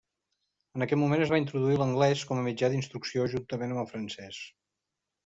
En aquest moment es va introduir l'anglès com a mitjà d'instrucció juntament amb el francès.